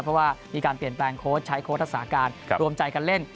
เพราะมีการเปลี่ยนแปลงใช้โค้ชทักษาการรวมใจการเล่น